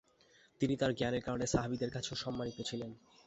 তিনি তার জ্ঞানের কারণে সাহাবিদের কাছেও সম্মানিত ছিলেন।